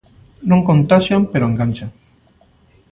Non contaxian pero enganchan.